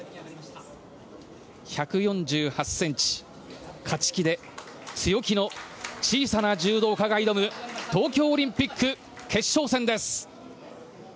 １４８ｃｍ、勝ち気で強気の小さな柔道家が挑む東京オリンピック決勝戦です。